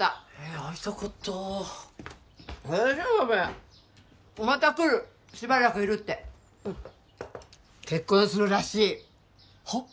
大丈夫また来るしばらくいるってうん結婚するらしいはっ？